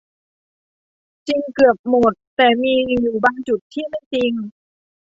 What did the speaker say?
จริงเกือบหมดแต่มีอยู่บางจุดที่ไม่จริง